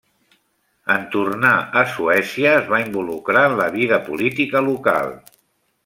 En tornar a Suècia es va involucrar en la vida política local.